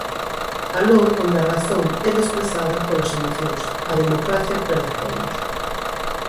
Aló onde a razón é desprazada polas emocións, a democracia perde apoios.